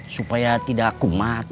supaya tidak kumat